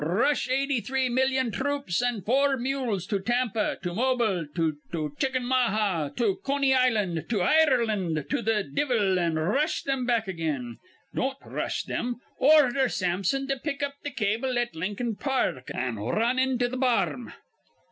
R rush eighty three millyon throops an' four mules to Tampa, to Mobile, to Chickenmaha, to Coney Island, to Ireland, to th' divvle, an' r rush thim back again. Don't r rush thim. Ordher Sampson to pick up th' cable at Lincoln Par rk, an' run into th' bar rn.